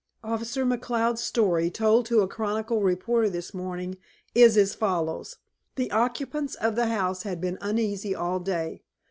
"Officer McCloud's story, told to a Chronicle reporter this morning, is as follows: The occupants of the house had been uneasy all day.